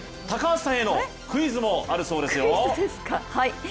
高橋さんへのクイズもあるそうですよ。